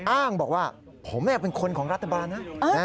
อ้างบอกว่าผมเป็นคนของรัฐบาลนะ